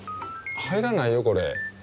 入らないよこれ。